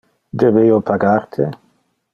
Debe io pagar te?